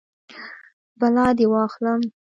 بلا دې واخلم.